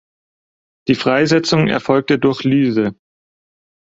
Die Freisetzung erfolgt durch Lyse.